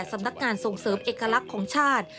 สำนักงานส่งเสริมเอกลักษณ์ของชาติ